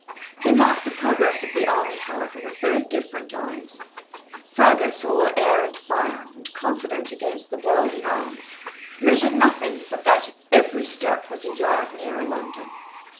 They marked the progress of the army, however, with very different eyes. Fergus, all air and fire, and confident against the world in arms, measured nothing but that every step was a yard nearer London.